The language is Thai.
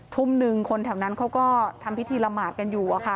ทุ่มหนึ่งคนแถวนั้นเขาก็ทำพิธีละหมาดกันอยู่